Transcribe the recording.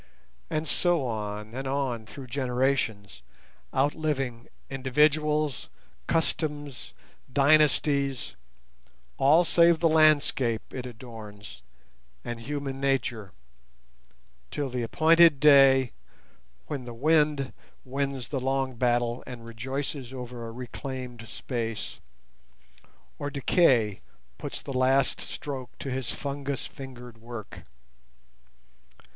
And so on and on through generations, outliving individuals, customs, dynasties—all save the landscape it adorns and human nature—till the appointed day when the wind wins the long battle and rejoices over a reclaimed space, or decay puts the last stroke to his fungus fingered work.